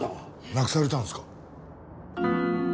なくされたんですか？